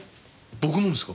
僕もですか？